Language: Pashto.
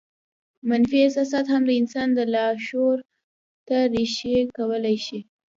منفي احساسات هم د انسان لاشعور ته رېښې کولای شي